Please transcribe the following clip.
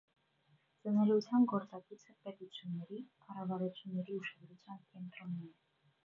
Ծնելիության գործակիցը պետությունների, կառավարությունների ուշադրության կենտրոնում է։